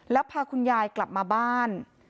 แล้วพาคุณยายกลับมาบ้าน